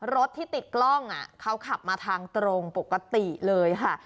รถที่ติดกล้องเขาขับมาทางตรงปกติเลยค่ะ